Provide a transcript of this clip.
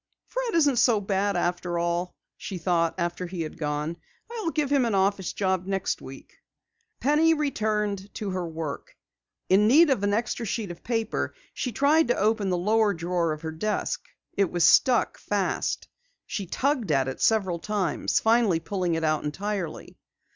"Fred isn't so bad after all," she thought after he had gone. "I'll give him an office job next week." Penny returned to her work. In need of an extra sheet of paper, she tried to open the lower drawer of her desk. It was stuck fast. She tugged at it several times, finally pulling it out entirely.